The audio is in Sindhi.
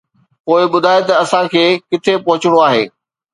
پوءِ ٻڌاءِ ته اسان کي ڪٿي پهچڻو آهي